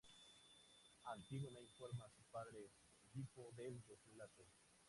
Antígona informa a su padre Edipo del desenlace.